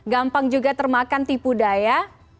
gampang juga termakan tipu daya